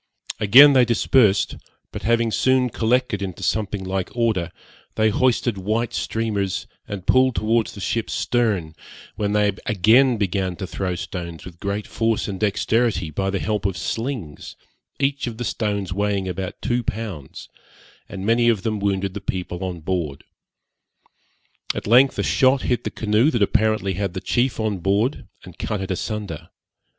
Again they dispersed, but having soon collected into something like order, they hoisted white streamers, and pulled towards the ship's stern, when they again began to throw stones with great force and dexterity, by the help of slings, each of the stones weighing about two pounds, and many of them wounded the people on board. At length a shot hit the canoe that apparently had the chief on board, and cut it asunder.